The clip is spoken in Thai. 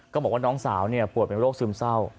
บอกว่าน้องสาวป่วยเป็นโรคซึมเศร้า